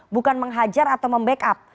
bukan menghajar atau membackup